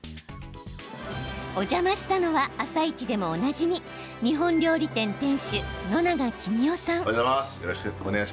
お邪魔したのは「あさイチ」でもおなじみ日本料理店店主、野永喜三夫さん。